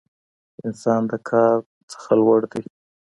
انسان د کار نه لوړ دی.